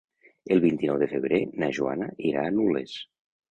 El vint-i-nou de febrer na Joana irà a Nules.